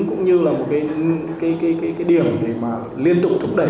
cũng như là một cái điểm để mà liên tục thúc đẩy